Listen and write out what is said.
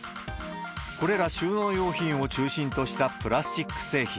これら収納用品を中心としたプラスチック製品